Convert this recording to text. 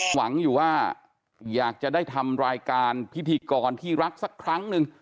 หวังอยู่ว่าอยากจะได้ทำรายการพิธีกรที่รักสักครั้งหนึ่ง